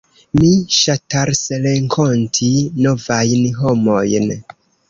Mi ŝatasrenkonti novajn homojn.